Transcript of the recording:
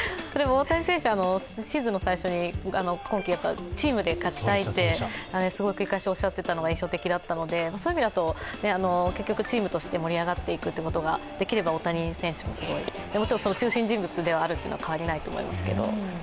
大谷選手、シーズン最初に、今季、チームで勝ちたいと繰り返しおっしゃっていたのが印象的だったのでそういう意味だと結局チームとして盛り上がっていくことができれば、大谷選手も、もちろん中心人物であるというのは変わりないと思いますけど。